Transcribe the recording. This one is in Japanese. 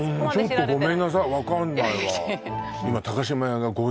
うんちょっとごめんなさいわかんないわいや